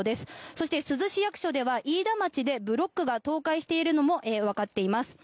そして珠洲市役所では、飯田町でブロックが倒壊しているのもわかっています。